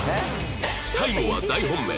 最後は大本命！